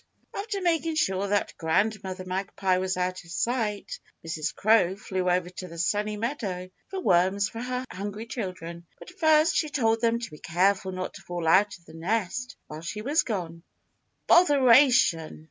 After making sure that Grandmother Magpie was out of sight, Mrs. Crow flew over to the Sunny Meadow for worms for her hungry children, but first she told them to be careful not to fall out of the nest while she was gone. "Botheration!"